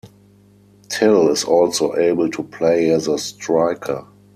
Till is also able to play as a striker.